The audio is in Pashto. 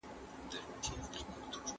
چا چې پښتو وکړه هغه ميړه دی.